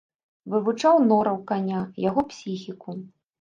Вывучаў нораў каня, яго псіхіку.